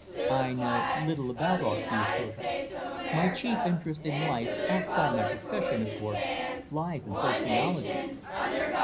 "I know little about art," he assured her. "My chief interest in life outside my profession, of course lies in sociology."